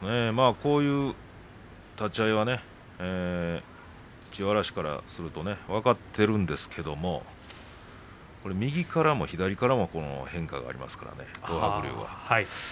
こういう立ち合いは千代嵐からすると分かっているんですけど右からも左からも変化がありますからね、東白龍は。